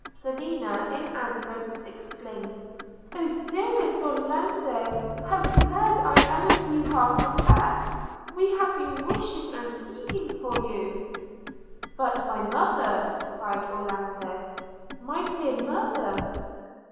Selina, in answer, exclaimed: 'O dearest Orlando! how glad I am you are come back! we have been wishing and seeking for you.' 'But my mother!' cried Orlando, 'my dear mother!'